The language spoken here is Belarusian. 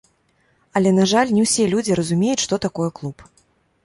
Але, на жаль, не ўсе людзі разумеюць, што такое клуб.